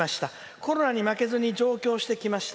コロナに負けずに上京してきました。